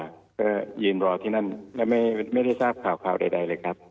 ก็ยืนรอที่นั่นและไม่ได้ทราบข่าวใดเลยครับ